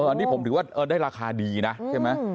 อันนี้ผมถือว่าได้ราคาดีนะใช่ไหม